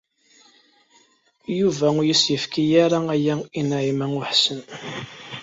Yuba ur as-yefki ara aya i Naɛima u Ḥsen.